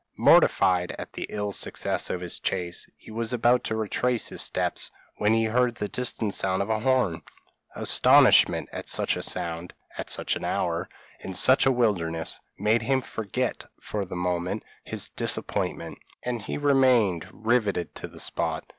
Mortified at the ill success of his chase, he was about to retrace his steps, when he heard the distant sound of a horn. Astonishment at such a sound at such an hour in such a wilderness, made him forget for the moment his disappointment, and he remained riveted to the spot.